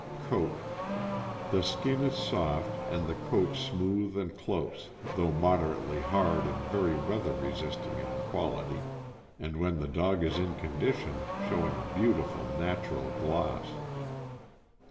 Coat. — The skin is soft, and the coat smooth and close, though moderately hard and very weather resisting in qual ity, and when the dog is in condition, showing a beautiful natural gloss.